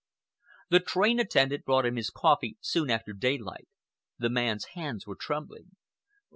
The train attendant brought him his coffee soon after daylight. The man's hands were trembling.